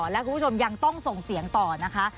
และคุณผู้ชมยังต้องส่งเสียงต่อนะคะ